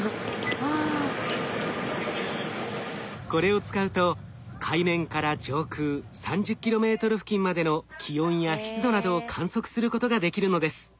これを使うと海面から上空３０ｋｍ付近までの気温や湿度などを観測することができるのです。